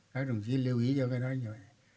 các đồng chí lưu ý cho cái đó nhé